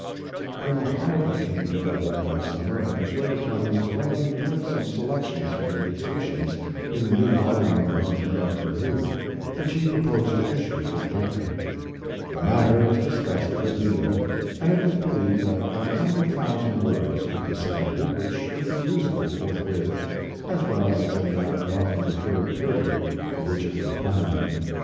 Colonel Harvey came to Dublin that summer and persuaded Clemens to let him print some selections from the dictations in the new volume of the North American Review, which he proposed to issue fortnightly. The matter was discussed a good deal, and it was believed that one hundred thousand words could be selected which would be usable forthwith, as well as in that long deferred period for which it was planned.